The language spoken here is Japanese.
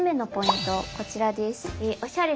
こちらです！